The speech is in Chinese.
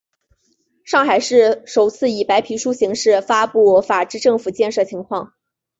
上海市首次以白皮书形式发布法治政府建设情况。